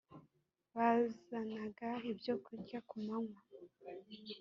bazanaga ibyokurya kumanywa